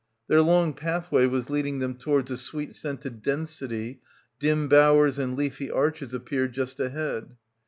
Their long pathway was leading them towards a sweet scented density, dim bowers and leafy arches appeared just ahead.